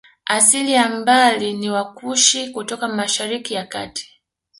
Asili ya mbali ni Wakushi kutoka Mashariki ya Kati